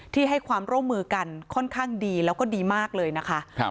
ให้ความร่วมมือกันค่อนข้างดีแล้วก็ดีมากเลยนะคะ